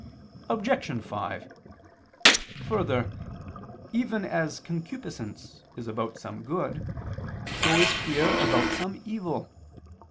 Obj. 5: Further, even as concupiscence is about some good, so is fear about some evil.